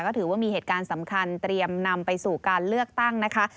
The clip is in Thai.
ก็ถือว่ามีเหตุการณ์สำคัญเตรียมนำไปสู่การเลือกตั้งนะคะ